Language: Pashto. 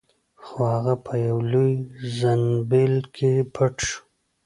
خو هغه په یوه لوی زنبیل کې پټ شو.